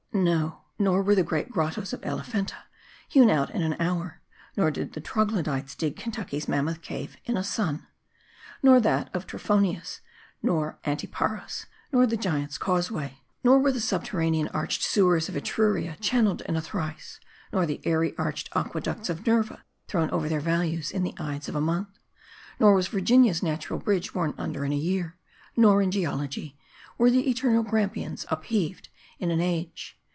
No : nor were the great grottos of Elephanta hewn out in an hour ; nor did the Troglodytes dig ^Kentucky's Mammoth Cave in a sun ; nor that of Trophonius, nor Antiparos ; nor the Giant's Causeway. Nor were the sub terranean arched sewers of Etruria channeled in a trice ; nor the airy arched aqueducts of Nerva thrown over their vallies in the ides of a month. Nor was Virginia's Natu ral Bridge worn under in a year ; nor, in geology, were the eternal Grampians upheaved in an age.